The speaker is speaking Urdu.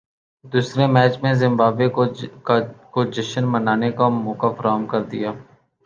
دوسرے میچ میں زمبابوے کو جشن منانے کا موقع فراہم کردیا